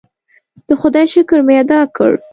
د خدای شکر مې ادا کړ.